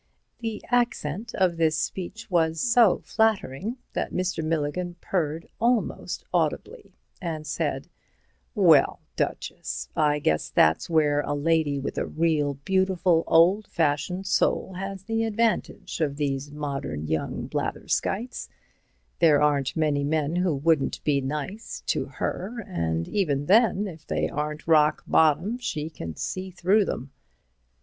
The accent of this speech was so flattering that Mr. Milligan purred almost audibly, and said: "Well, Duchess, I guess that's where a lady with a real, beautiful, old fashioned soul has the advantage of these modern young blatherskites—there aren't many men who wouldn't be nice—to her, and even then, if they aren't rock bottom she can see through them."